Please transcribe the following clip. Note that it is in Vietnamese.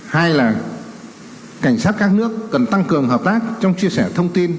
hai là cảnh sát các nước cần tăng cường hợp tác trong chia sẻ thông tin